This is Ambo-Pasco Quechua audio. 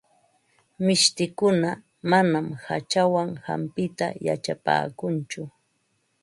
Mishtikuna manam hachawan hampita yachapaakunchu.